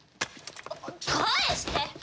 返して！